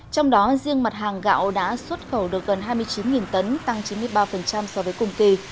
trong đó riêng mặt hàng gạo đã xuất khẩu được gần hai mươi chín tấn tăng chín mươi ba so với cùng kỳ